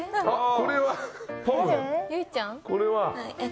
これは？